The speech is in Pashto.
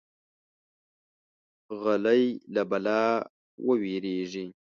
غلی، له بلا ووېریږي.